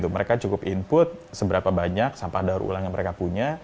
mereka cukup input seberapa banyak sampah daur ulang yang mereka punya